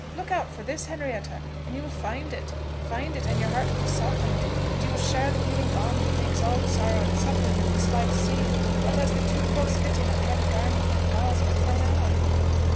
Look out for this, Henrietta, and you will find it. Find it, and your heart will be softened, and you will share the healing balm that makes all the sorrow and suffering of this life seem but as the too close fitting of a heavy garment that galls but for an hour!"